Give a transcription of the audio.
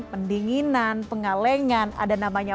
pendinginan pengalengan ada namanya